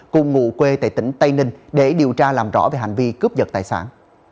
cùng ngụ quê tại tỉnh tây ninh để điều tra làm rõ về hành vi cướp giật tài sản